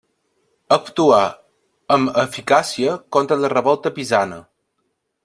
Actuà amb eficàcia contra la revolta pisana.